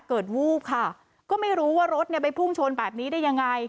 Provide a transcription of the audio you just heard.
วูบค่ะก็ไม่รู้ว่ารถเนี่ยไปพุ่งชนแบบนี้ได้ยังไง